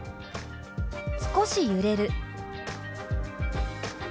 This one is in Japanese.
「少し揺れる」。